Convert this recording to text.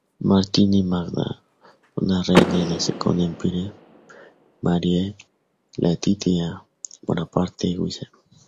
Martini Magda, "Une reine du Second Empire: Marie Laetitia Bonaparte-Wyse.